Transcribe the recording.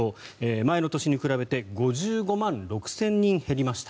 前の年に比べて５５万６０００人減りました。